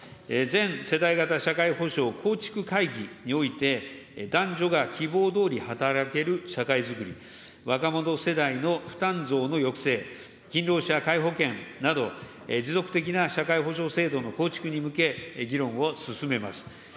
全世代型社会保障構築会議において、男女が希望どおり働ける社会づくり、若者世代の負担増の抑制、勤労者皆保険など、持続的な社会保障制度の構築に向け、議論を進めます。